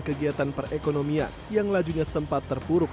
kegiatan perekonomian yang lajunya sempat terpuruk